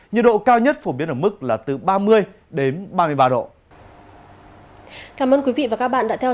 nhiệt độ cao nhất phổ biến ở mức là từ ba mươi đến ba mươi ba độ